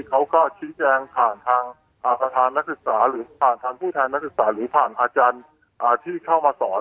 เขาก็ชี้แจงผ่านทางประธานนักศึกษาหรือผ่านทางผู้แทนนักศึกษาหรือผ่านอาจารย์ที่เข้ามาสอน